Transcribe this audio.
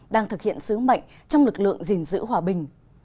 đang thực hiện sứ mệnh trong lực lượng gìn giữ hòa bình